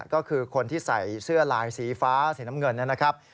ก็คือคนที่ใส่เสื้อลายสีฟ้าสีน้ำเงินนะครับ